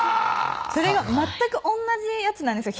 それが全く同じやつなんですよ